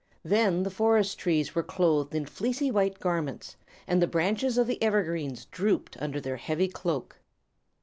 Then the forest trees were clothed in fleecy white garments, and the branches of the evergreens drooped under their heavy cloak.